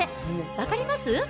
分かります？